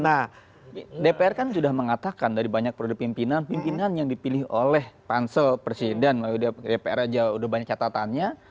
nah dpr kan sudah mengatakan dari banyak produk pimpinan pimpinan yang dipilih oleh pansel presiden melalui dpr aja udah banyak catatannya